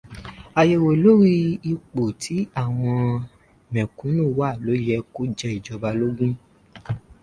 Àyẹ̀wò lóri ipò tí àwọn mẹ̀kúnù wà lo yẹ ko jẹ ìjọba lógún.